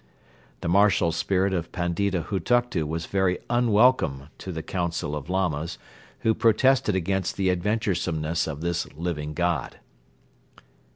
The martial spirit of Pandita Hutuktu was very unwelcome to the Council of Lamas, who protested against the adventuresomeness of this "Living God."